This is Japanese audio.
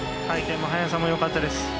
回転も速さもよかったです。